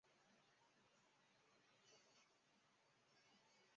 瑞利衰落模型适用于描述建筑物密集的城镇中心地带的无线信道。